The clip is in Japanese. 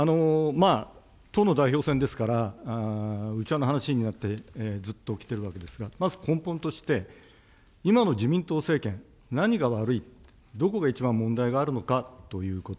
党の代表戦ですから、内輪の話になってずっときているわけですが、まず根本として、今の自民党政権、何が悪い、どこが一番問題があるのかということ。